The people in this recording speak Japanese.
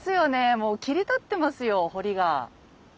もう切り立ってますよ堀が。